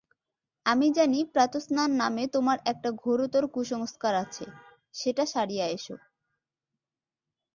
আমি জানি প্রাতঃস্নান নামে তোমার একটা ঘোরতর কুসংস্কার আছে, সেটা সারিয়া এসো।